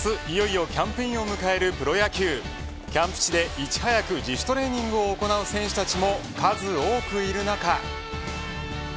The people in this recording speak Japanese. いよいよキャンプインを迎えるプロ野球キャンプ地でいち早く自主トレーニングを行う選手たちも数多くいる中。